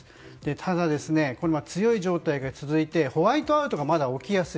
ただ、強い状態が続いてホワイトアウトが起きやすい。